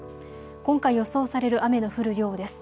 今回、予想される雨の降る量です。